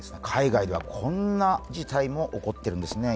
海外ではこんな事態も起こっているんです。